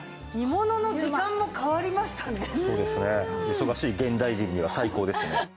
忙しい現代人には最高ですね。